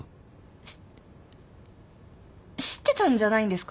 し知ってたんじゃないんですか？